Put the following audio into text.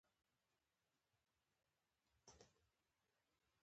د ځنګلونو پرېکول د هوا د پاکوالي کچه کموي.